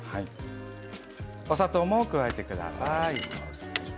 お砂糖も加えてください。